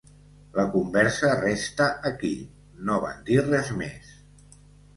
La conversa restà aquí: no van dir res més.